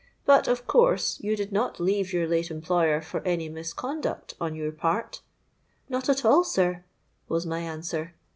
But, of course, you did not leave your late employer for any misconduct on your part?'—'Not at all, sir,' was my answer.